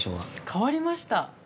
◆変わりました。